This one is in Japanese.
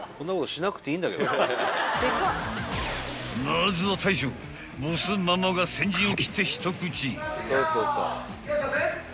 ［まずは大将ボスママが先陣を切って一口］